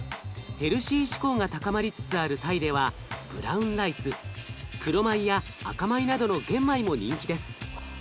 ヘルシー志向が高まりつつあるタイではブラウンライス黒米や赤米などの玄米も人気です。